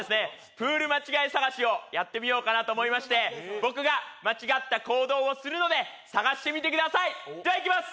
プールまちがいさがしをやってみようかなと思いまして僕が間違った行動をするので探してみてくださいではいきます